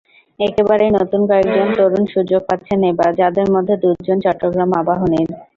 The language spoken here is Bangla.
একেবারেই নতুন কয়েকজন তরুণ সুযোগ পাচ্ছেন এবার, যাঁদের মধ্যে দুজন চট্টগ্রাম আবাহনীর।